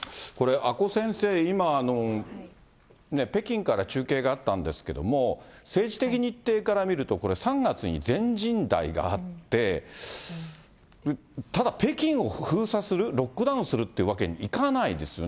阿古先生、今、北京から中継があったんですけれども、政治的日程から見ると、３月に全人代があって、ただ、北京を封鎖する、ロックダウンするというわけにいかないですよね。